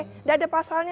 tidak ada pasalnya